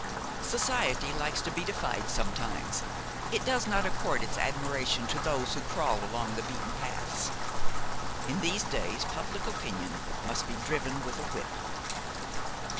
Society likes to be defied sometimes; it does not accord its admiration to those who crawl along the beaten paths. In these days public opinion must be driven with a whip."